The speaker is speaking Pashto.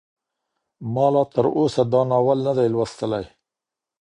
ما لا تر اوسه دا ناول نه دی لوستلی.